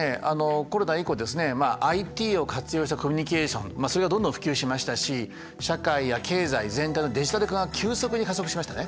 コロナ以降ですねＩＴを活用したコミュニケーションそれがどんどん普及しましたし社会や経済全体のデジタル化が急速に加速しましたね。